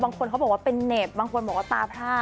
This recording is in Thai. บางคนเขาบอกว่าเป็นเหน็บบางคนบอกว่าตาพร่า